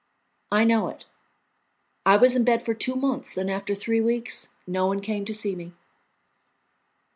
I know it. I was in bed for two months, and after three weeks no one came to see me."